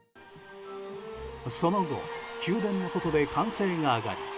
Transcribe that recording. その後、宮殿の外で歓声が上がり